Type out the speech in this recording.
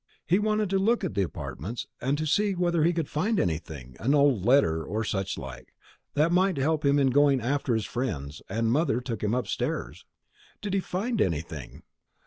He wanted to look at the apartments, to see whether he could find anything, an old letter or such like, that might be a help to him in going after his friends, and mother took him upstairs." "Did he find anything?"